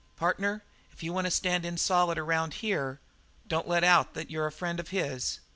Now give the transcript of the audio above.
"Partner, if you want to stand in solid around here, don't let out that you're a friend of his.